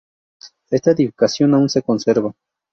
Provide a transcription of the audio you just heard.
Esta edificación aún se conserva.